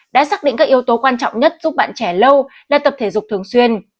đã xác định các yếu tố quan trọng nhất giúp bạn trẻ lâu là tập thể dục thường xuyên